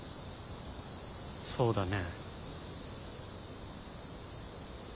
そうだね。